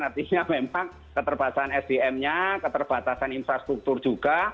artinya memang keterbatasan sdm nya keterbatasan infrastruktur juga